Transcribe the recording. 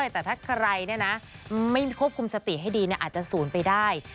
แต่ถ้าใครไม่ควบคุมสติให้ดีอาจจะศูนย์ไปได้